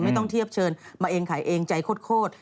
ไม่ต้องเทียบเชิญมาเองขายเองใจโคตร